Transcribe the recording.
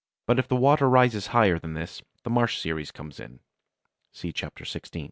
But if the water rises higher than this the marsh series comes in (see Chap. XVI.).